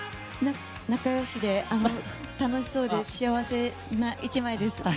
仲良しで、楽しそうで幸せな１枚です。